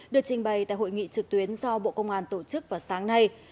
được trình bày tại hội nghị trực tuyến do bộ công an tổ chức vào sáng nay